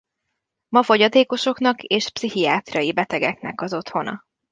Ma fogyatékosoknak és pszichiátriai betegeknek az otthona.